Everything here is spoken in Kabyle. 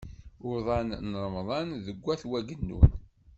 Uḍan n Remḍan deg Wat Wagennun.